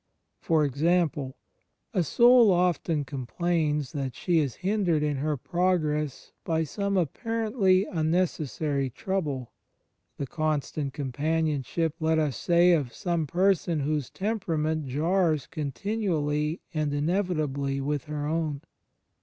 For example: A soul often complains that she is hindered in her progress by some apparently unnecessary trouble — the constant companionship, let us say, of some person whose temperament jars continually and inevitably with her own.